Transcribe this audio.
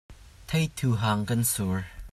Theithu hang kan sur.